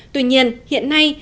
tuy nhiên hiện nay